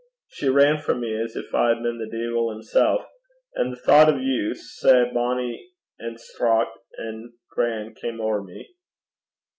She ran frae me as gin I had been the de'il himsel'. An' the thocht o' you, sae bonnie an' straucht an' gran', cam ower me.'